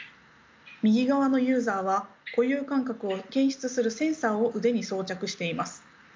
右側のユーザーは固有感覚を検出するセンサーを腕に装着しています。